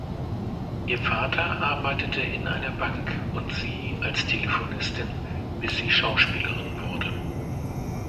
Ihr Vater arbeitete in einer Bank, und sie als Telefonistin, bis sie Schauspielerin wurde.